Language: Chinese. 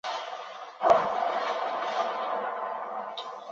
少初位为日本官阶的一种。